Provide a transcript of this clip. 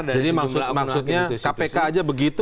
jadi maksudnya kpk aja begitu